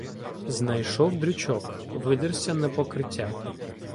Знайшов дрючок, видерся на покриття.